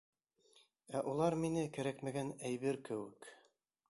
Ә улар мине кәрәкмәгән әйбер кеүек...